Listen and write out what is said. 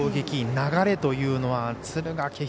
流れというのは敦賀気比